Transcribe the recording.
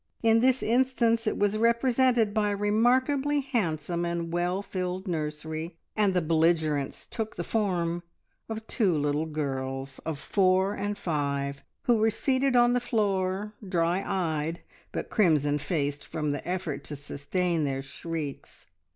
In this instance it was represented by a remarkably handsome and well filled nursery, and the belligerents took the form of two little girls of four and five, who were seated on the floor, dry eyed, but crimson faced from the effort to sustain their shrieks.